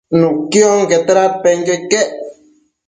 nuqui onquete dadpenquio iquec